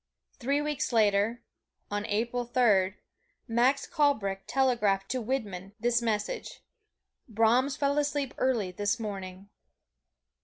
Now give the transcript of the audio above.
Three weeks later on April Third Max Kalbrech telegraphed to Widmann, this message, "Brahms fell asleep early this morning."